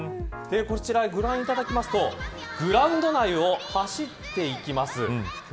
こちら、ご覧いただきますとグラウンド内を走っていきます。